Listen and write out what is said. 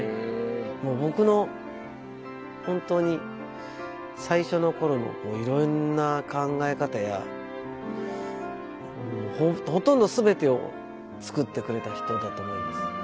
もう僕の本当に最初の頃のいろんな考え方やほとんど全てを作ってくれた人だと思います。